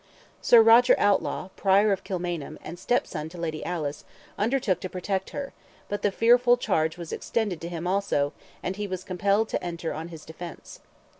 Sir Roger Outlaw, Prior of Kilmainham, and stepson to Lady Alice, undertook to protect her; but the fearful charge was extended to him also, and he was compelled to enter on his defence.